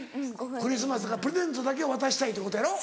クリスマスだからプレゼントだけ渡したいということやろ？